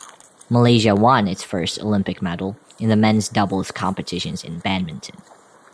Malaysia won its first Olympic medal in the men's doubles competitions in badminton.